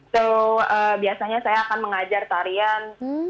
so biasanya saya akan mengajar tarian